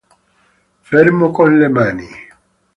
Fermo con le mani!